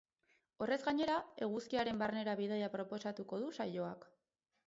Horrez gainera, eguzkiaren barnera bidaia proposatuko du saioak.